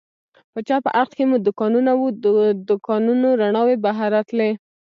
په چپ اړخ کې مو دوکانونه و، د دوکانونو رڼاوې بهر راتلې.